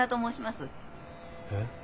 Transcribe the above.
えっ？